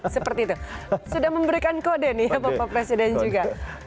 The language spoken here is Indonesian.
seperti itu sudah memberikan kode nih ya bapak presiden juga